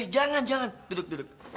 jangan jangan duduk duduk